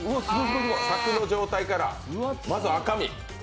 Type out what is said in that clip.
柵の状態からまず赤身。